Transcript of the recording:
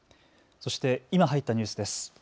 そして今、入ったニュースです。